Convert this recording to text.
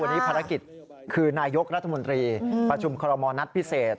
วันนี้ภารกิจคือนายกรัฐมนตรีประชุมคอรมณ์นัดพิเศษ